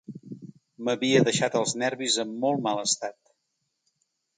M'havia deixat els nervis en molt mal estat